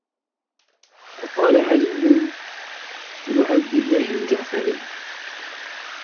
وَقَالَ عَلِيُّ بْنُ عَبْدِ اللَّهِ الْجَعْفَرِيُّ